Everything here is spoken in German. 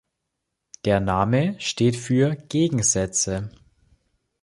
Der Name steht für Gegensätze.